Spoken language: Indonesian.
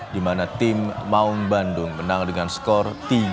di mana tim maung bandung menang dengan skor tiga